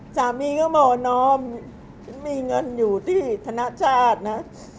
สามีก็บอกว่าน้องมีเงินอยู่ที่ธนชาตินะ